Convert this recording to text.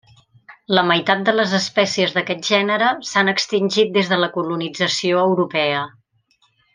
La meitat de les espècies d'aquest gènere s'han extingit des de la colonització europea.